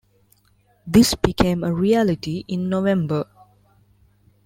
This became a reality in November.